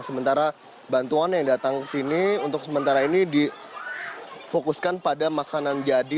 sementara bantuan yang datang ke sini untuk sementara ini difokuskan pada makanan jadi